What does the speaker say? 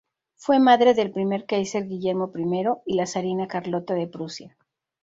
Fue madre del primer káiser Guillermo I y la zarina Carlota de Prusia.